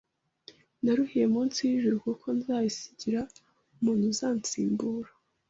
naruhiye munsi y’ijuru, kuko nzayisigira umuntu uzansimbura